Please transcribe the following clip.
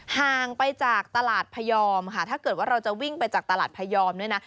ห่างไปจากตลาดพยอมค่ะถ้าเกิดว่าเราจะวิ่งไปจากตลาดพยอมด้วยนะ